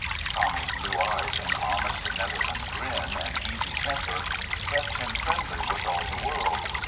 Tommy's blue eyes and honest Netherland grin and easy temper kept him friendly with all the world.